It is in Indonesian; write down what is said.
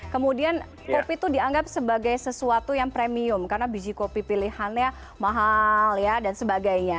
kemudian kopi itu dianggap sebagai sesuatu yang premium karena biji kopi pilihannya mahal ya dan sebagainya